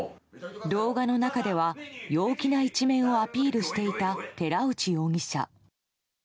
動画の中では、陽気な一面をアピールしていた寺内容疑者。